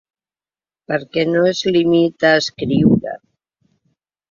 Perquè no es limita a escriure.